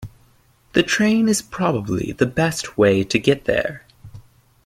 The train is probably the best way to get there.